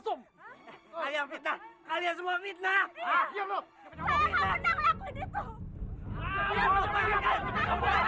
aku mau berusaha dengan anak ini bill